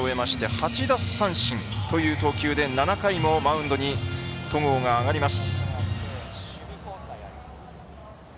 ８奪三振という投球で７回もマウンドに戸郷が上がります。